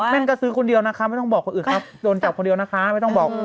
แม่นก็ซื้อคนเดียวนะคะไม่ต้องบอกคนอื่นครับโดนจับคนเดียวนะคะไม่ต้องบอก